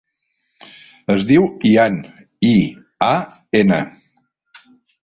Es diu Ian: i, a, ena.